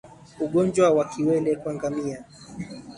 Ugonjwa wa kiwele kwa ngamia